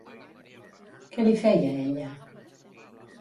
Què li feia ella?